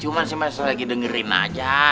cuma sih mas lagi dengerin aja